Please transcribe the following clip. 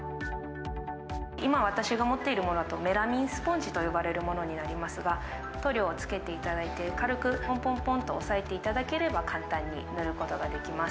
今、私が持っているものだと、メラミンスポンジと呼ばれるものになりますが、塗料をつけていただいて、軽くぽんぽんぽんと押さえていただければ簡単に塗ることができます。